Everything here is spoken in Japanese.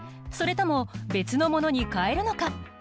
それとも別のものに変えるのか。